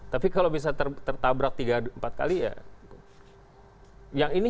tapi kalau bisa tertabrak tiga empat kali ya